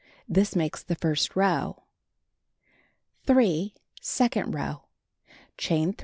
This makes the first row. 3. Second row: Chain 3.